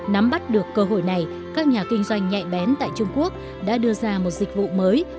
nắm bắt được cơ hội này các nhà kinh doanh nhạy bén tại trung quốc đã đưa ra một dịch vụ mới